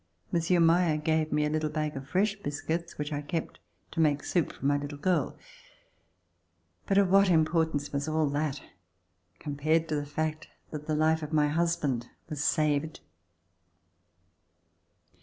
Monsieur Meyer gave me a little bag of fresh biscuits which I kept to make soup for my little girl. But of what importance was all that compared to the fact that the life of my husband was saved